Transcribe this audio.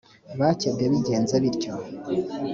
bakebwe bigenze bityo